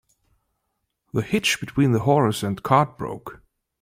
The hitch between the horse and cart broke.